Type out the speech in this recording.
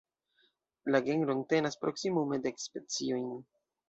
La genro entenas proksimume dek speciojn.